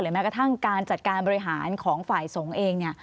แม้กระทั่งการจัดการบริหารของฝ่ายสงฆ์เองเนี่ย